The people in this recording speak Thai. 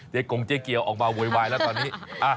กงเจ๊เกียวออกมาโวยวายแล้วตอนนี้